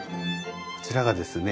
こちらがですね